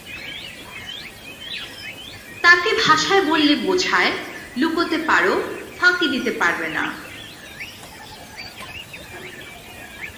তাকে ভাষায় বললে বোঝায়, লুকোতে পার, ফাঁকি দিতে পারবে না।